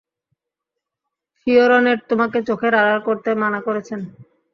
ফিওরনের তোমাকে চোখের আড়াল করতে মানা করেছেন।